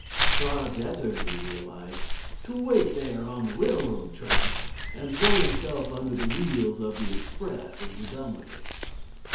Far better, he realized, to wait there on the railroad track and throw himself under the wheels of the express and be done with it.